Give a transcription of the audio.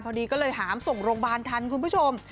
พอดีก็เลยหามส่งโรงพยาบาลทันคุณผู้ชม